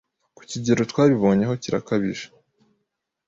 ku kigero twabibonyeho kirakabije